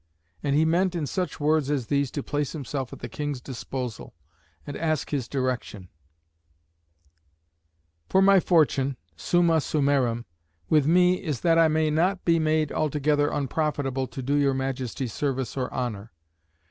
And he meant in such words as these to place himself at the King's disposal, and ask his direction: "For my fortune, summa summarum with me is, that I may not be made altogether unprofitable to do your Majesty service or honour.